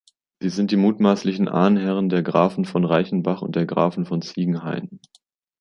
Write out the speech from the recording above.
Sie sind die mutmaßlichen Ahnherren der Grafen von Reichenbach und der Grafen von Ziegenhain.